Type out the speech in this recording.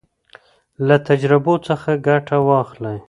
له تجربو څخه ګټه واخلئ.